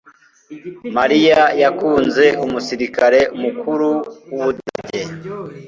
Mariya yakunze umusirikare mukuru w’Ubudage.